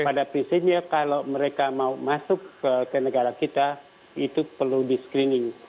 pada prinsipnya kalau mereka mau masuk ke negara kita itu perlu di screening